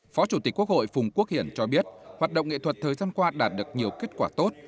phó chủ tịch quốc hội phùng quốc hiển cho biết hoạt động nghệ thuật thời gian qua đạt được nhiều kết quả tốt